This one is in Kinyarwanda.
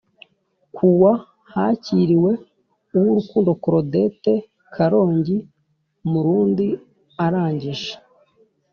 Ku wa hakiriwe Uwurukundo Claudette Karongi Murundi Arangije